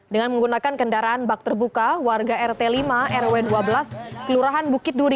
dengan menggunakan kendaraan bak terbuka warga rt lima rw dua belas kelurahan bukit duri